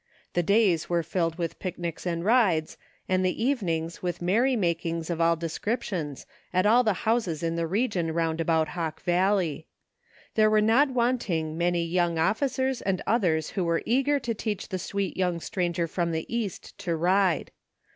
The days were filled with picnics and rides and the evenings with merry makings of all descriptions at all the houses in the region round about Hawk Valley. There were not wanting many young officers and others who were eager to teach the sweet young stranger from the east to ride.